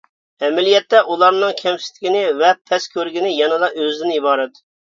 ئەمەلىيەتتە ئۇلارنىڭ كەمسىتكىنى ۋە پەس كۆرگىنى يەنىلا ئۆزىدىن ئىبارەت.